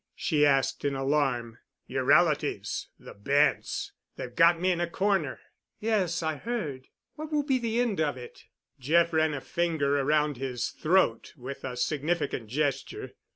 she asked in alarm. "Your relatives, the Bents. They've got me in a corner." "Yes, I heard. What will be the end of it?" Jeff ran a finger around his throat with a significant gesture.